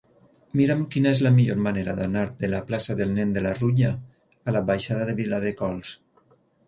Mira'm quina és la millor manera d'anar de la plaça del Nen de la Rutlla a la baixada de Viladecols.